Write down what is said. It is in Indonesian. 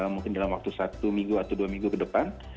mungkin dalam waktu satu minggu atau dua minggu ke depan